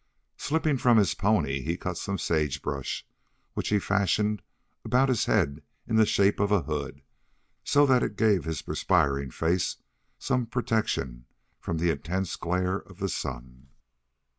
Slipping from his pony he cut some sage brush, which he fashioned about his head in the shape of a hood, so that it gave his perspiring face some protection from the intense glare of the sun.